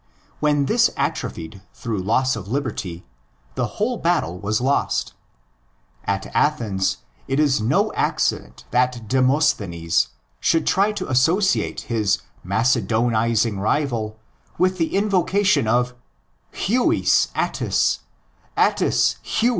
When this atrophied through loss of liberty, the whole battle was lost. At Athens it was no accident that Demos thenes should try to associate his Macedonising rival with the invocation of "Yune "Arrne,"Arrne'Yune.